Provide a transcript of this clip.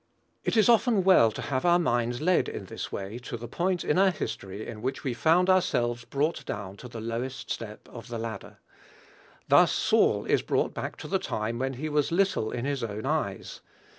It is often well to have our minds led in this way to the point in our history in which we found ourselves brought down to the lowest step of the ladder. Thus Saul is brought back to the time when he was "little in his own eyes."